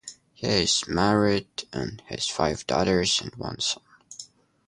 He is married and has five daughters and one son.